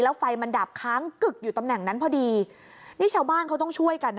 แล้วไฟมันดับค้างกึกอยู่ตำแหน่งนั้นพอดีนี่ชาวบ้านเขาต้องช่วยกันนะ